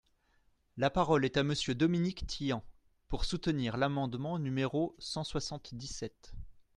La parole est à Monsieur Dominique Tian, pour soutenir l’amendement numéro cent soixante-dix-sept.